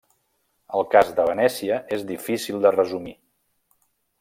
El cas de Venècia és difícil de resumir.